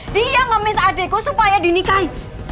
dia ngemis adikku supaya dinikahi